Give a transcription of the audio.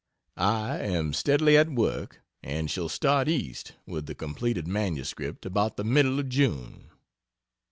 I am steadily at work, and shall start East with the completed Manuscript, about the middle of June.